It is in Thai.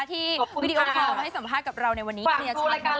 ที่กันในรายการ๒๐นาทีสนุกมาก